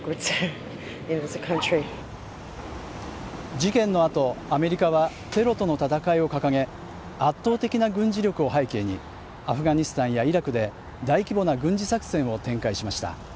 事件のあと、アメリカはテロとの戦いを掲げ圧倒的な軍事力を背景にアフガニスタンやイラクで大規模な軍事作戦を展開しました。